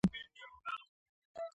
پیاز د طبعي دوا ځای نیولی دی